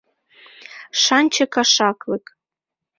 ШАНЧЕ КАШАКЛЫК